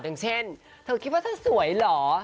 อย่างเช่นเธอคิดว่าเธอสวยเหรอ